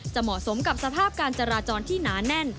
เหมาะสมกับสภาพการจราจรที่หนาแน่น